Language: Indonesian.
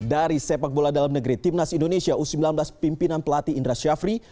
dari sepak bola dalam negeri timnas indonesia u sembilan belas pimpinan pelatih indra syafri